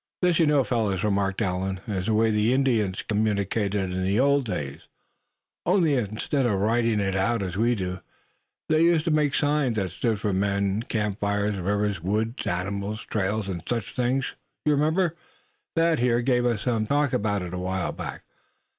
"This, you know, fellows," remarked Allan, "is the way the Indians communicated in the old days; only instead of writing it out as we do, they used to make signs that stood for men, camp fires, rivers, woods, animals, trails and such things. You remember, Thad here gave us some talk about that awhile back.